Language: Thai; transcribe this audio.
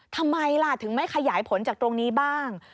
ทำไมล่ะถึงไม่ขยายผลจากตรงนี้บ้าง